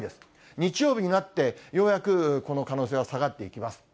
日曜日になって、ようやくこの可能性は下がっていきます。